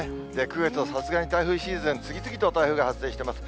９月はさすがに台風シーズン、次々と台風が発生しています。